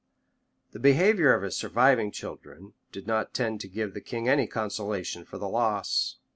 The behavior of his surviving children did not tend to give the king any consolation for the loss.